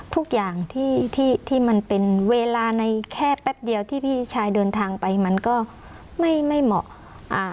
ทุกอย่างที่ที่มันเป็นเวลาในแค่แป๊บเดียวที่พี่ชายเดินทางไปมันก็ไม่ไม่เหมาะอ่า